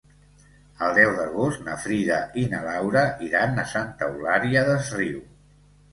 El deu d'agost na Frida i na Laura iran a Santa Eulària des Riu.